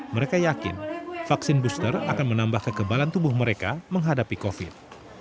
mereka yakin vaksin booster akan menambah kekebalan tubuh mereka menghadapi covid